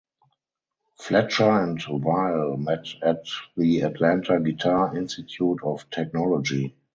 Fletcher and Weil met at the Atlanta Guitar Institute of Technology.